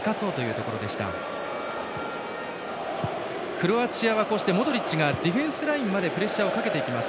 クロアチアはモドリッチがディフェンスラインまでプレッシャーをかけていきます。